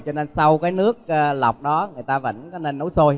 cho nên sau cái nước lọc đó người ta vẫn có nên nổ sôi